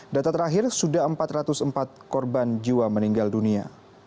data terakhir sudah empat ratus empat korban jiwa meninggal dunia